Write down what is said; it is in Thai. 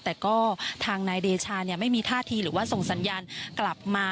แต่ก็ทางนายเดชาไม่มีท่าทีหรือว่าส่งสัญญาณกลับมา